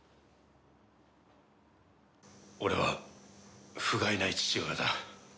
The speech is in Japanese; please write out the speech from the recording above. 俺はふがいない父親だ。